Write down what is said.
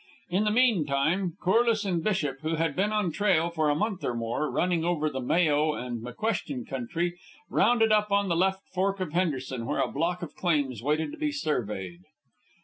In the mean time, Corliss and Bishop, who had been on trail for a month or more running over the Mayo and McQuestion Country, rounded up on the left fork of Henderson, where a block of claims waited to be surveyed.